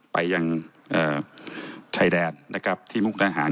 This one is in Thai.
ไปยังชัยแดดที่มุกนาหาร